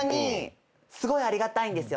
すごいありがたいんですよ。